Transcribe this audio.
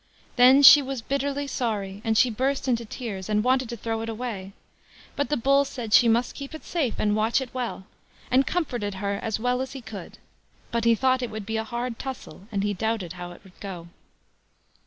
Then she was so bitterly sorry, she burst into tears, and wanted to throw it away; but the Bull said, she must keep it safe and watch it well, and comforted her as well as he could; but he thought it would be a hard tussle, and he doubted how it would go.